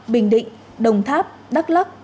bình định đồng tháp đắk lắk